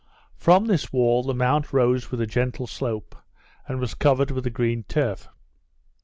From this wall the mount rose with a gentle slope, and was covered with a green turf.